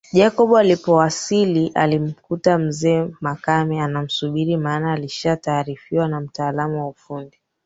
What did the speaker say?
Jacob alipowasili alimkuta mzee Makame anamsubiri maana alishataarifiwa na mtaalam wa ufundi